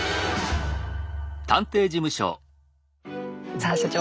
さあ所長